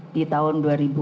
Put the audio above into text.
di tahun dua ribu tujuh belas